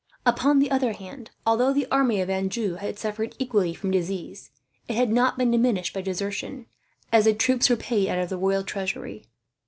Upon the other hand, although the army of Anjou had suffered equally from disease, it had not been diminished by desertion, as the troops were paid out of the royal treasury.